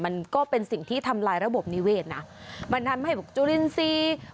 มันก็เป็นสิ่งที่ทำลายระบบนิเวศนะมันทำให้แบบจุลินทรีย์